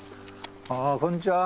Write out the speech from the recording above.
あこんにちは。